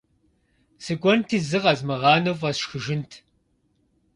Сыкӏуэнти зы къэзмыгъанэу фӏэсшхыжынт.